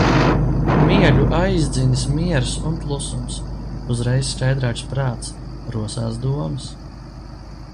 Miegu aizdzinis miers un klusums. Uzreiz skaidrāks prāts, rosās domas.